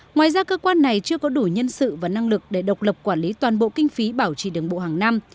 ngoài ra cơ quan này chưa có đủ nhân sự và năng lực để độc lập quản lý toàn bộ kinh phí bảo trì đường bộ hàng năm